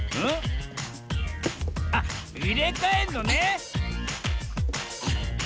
あっいれかえんのね！